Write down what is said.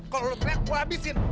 kalau lo teriak gua habisin